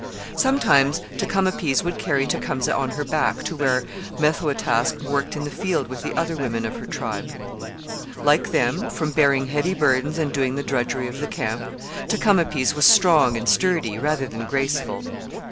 Sometimes Tecumapease would carry Tecumseh on her back to where Methoataske worked in the field with the other women of her tribe. Like them, from bearing heavy burdens and doing the drudgery of the camp, Tecumapease was strong and sturdy rather than graceful.